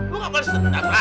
lu gak boleh setendang lam